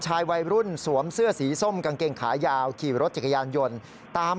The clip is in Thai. วัยรุ่นสวมเสื้อสีส้มกางเกงขายาวขี่รถจักรยานยนต์ตาม